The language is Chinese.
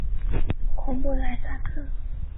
孔布莱萨克。